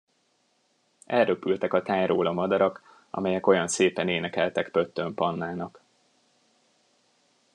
Elröpültek a tájról a madarak, amelyek olyan szépen énekeltek Pöttöm Pannának.